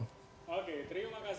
oke terima kasih ruli